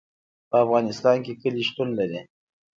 په افغانستان کې کلي شتون لري.